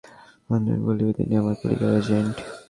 মহেন্দ্রবাবুকে বলিবে, তিনি আমার কলিকাতার এজেণ্ট।